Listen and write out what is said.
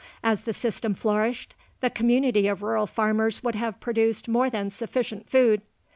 As the system flourished, the community of rural farmers would have produced more than sufficient food.